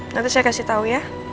nanti saya kasih tahu ya